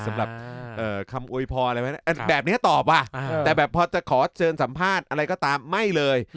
สำหรับคำโวยพรอะไรไหมแบบนี้ตอบว่ะแต่แบบพอจะขอเชิญสัมภาษณ์อะไรก็ตามไม่เลย